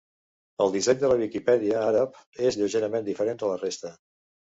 El disseny de la Viquipèdia àrab és lleugerament diferent de la resta.